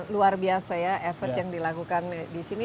luar biasa ya effort yang dilakukan di sini